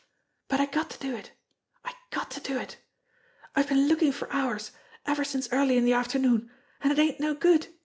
"But I got to do it. I got to do it. I've been lookin' for hours, ever since early in de afternoon, an' it ain't no good.